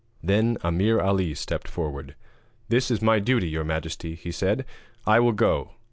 Then Ameer Ali stepped forward: 'This is my duty, your majesty,' he said, 'I will go.'